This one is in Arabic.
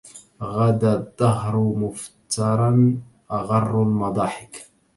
غدا الدهر مفترا أغر المضاحك